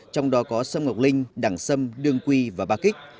trong đó có sâm ngọc linh đẳng sâm đương quy và bà kích